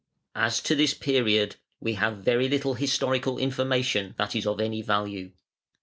As to this period we have little historical information that is of any value.